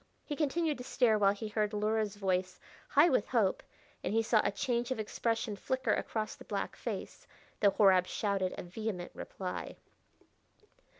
He continued to stare while he heard Luhra's voice, high with hope, and he saw a change of expression flicker across the black face, though Horab shouted a vehement reply.